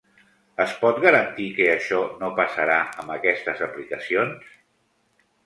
Es pot garantir que això no passarà amb aquestes aplicacions?